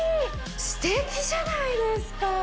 ステキじゃないですか！